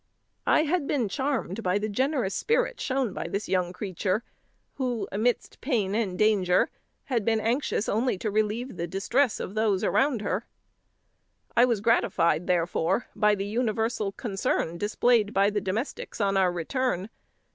I had been charmed by the generous spirit shown by this young creature, who, amidst pain and danger, had been anxious only to relieve the distress of those around her. I was gratified, therefore, by the universal concern displayed by the domestics on our return.